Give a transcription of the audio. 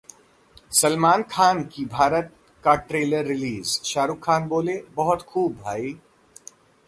सलमान खान की भारत का trailer release, Shahrukh Khan बोले- बहुत खूब भाई